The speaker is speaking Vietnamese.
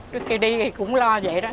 trước khi đi thì cũng lo dễ đó